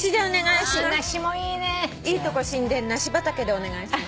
いいとこ新田梨畑でお願いします。